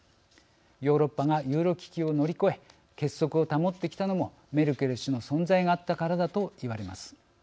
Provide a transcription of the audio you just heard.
ヨーロッパがユーロ危機を乗り越え結束を保ってきたのもメルケル氏の存在があったからだと言われます。